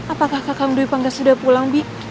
apakah kakak mdui panggas sudah pulang bi